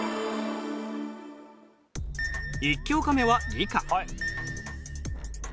１教科目は理科。